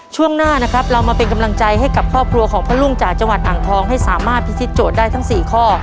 ช่วงหน้านะครับเรามาเป็นกำลังใจให้กับครอบครัวของพ่อลุงจากจังหวัดอ่างทองให้สามารถพิธีโจทย์ได้ทั้ง๔ข้อ